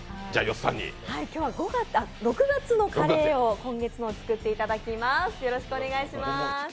今日は６月のカレーを作っていただきます